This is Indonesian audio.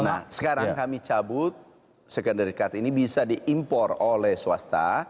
nah sekarang kami cabut sekrenderikat ini bisa diimpor oleh swasta